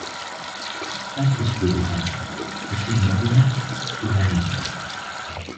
Her tişt diguhere, tiştê naguhere, guherîn e.